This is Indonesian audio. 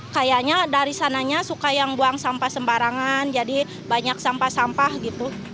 kayaknya dari sananya suka yang buang sampah sembarangan jadi banyak sampah sampah gitu